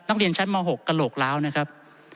นักเรียนชั้นม๖กระโหลกล้าวนะครับ